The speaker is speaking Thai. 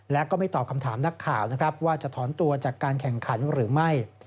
และก็ไม่ตอบคำถามนักข่าวนะครับว่าจะถอนตัวจากการแข่งขันหรือไม่